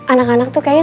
anak anak tuh kayaknya